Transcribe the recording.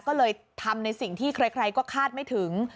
ก็เลยทำในสิ่งที่ใครก็คาดไม่ถึง